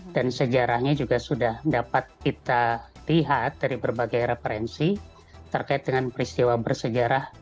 dan sejarahnya juga sudah dapat kita lihat dari berbagai referensi terkait dengan peristiwa bersejarah bandung